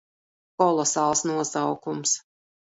Kolosāls nosaukums.